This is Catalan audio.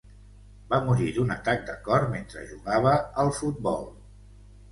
Va morir d'un atac de cor mentre jugava al futbol.